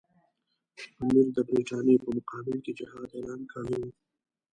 امیر د برټانیې په مقابل کې جهاد اعلان کړی وو.